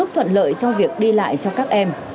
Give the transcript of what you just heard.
trong việc đi lại cho các em